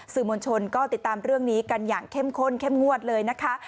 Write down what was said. สื่อมวลชนก็ติดตามเรื่องนี้กันอย่างเข้มข้นเข้มงวดเลยนะคะ